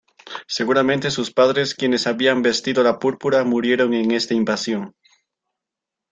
Seguramente sus padres, quienes habían vestido la púrpura, murieron en esta invasión.